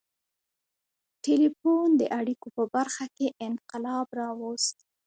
• ټیلیفون د اړیکو په برخه کې انقلاب راوست.